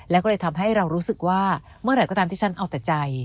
แล้วก็เลยทำให้เรารู้สึกว่าเมื่อไหร่ก็ตามที่ฉันเอาแต่ใจ